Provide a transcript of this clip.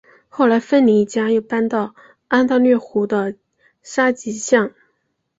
后来芬尼一家又搬到安大略湖的沙吉港。